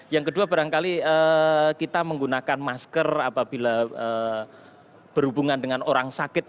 yang kedua barangkali kita menggunakan masker apabila berhubungan dengan orang sakit